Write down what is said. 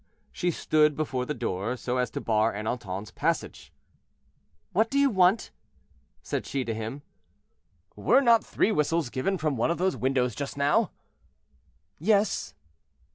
She stood before the door, so as to bar Ernanton's passage. "What do you want?" said she to him. "Were not three whistles given from one of those windows just now?" "Yes."